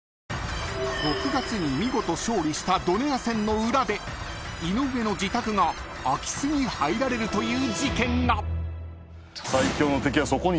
［６月に見事勝利したドネア戦の裏で井上の自宅が空き巣に入られるという事件が］